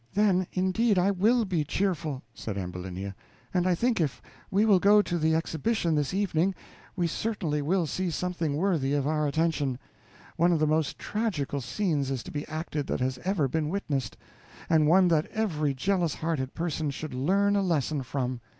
"Then, indeed, I will be cheerful," said Ambulinia, "and I think if we will go to the exhibition this evening, we certainly will see something worthy of our attention. One of the most tragical scenes is to be acted that has ever been witnessed, and one that every jealous hearted person should learn a lesson from.